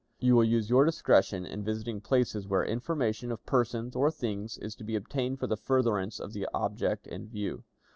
You will use your discretion in visiting places where information of persons or things is to be obtained for the furtherance of the object in view.